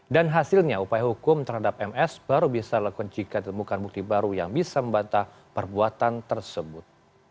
dan hasilnya upaya hukum terhadap ms baru bisa dilakukan jika ditemukan bukti baru yang bisa membantah perbuatan tersebut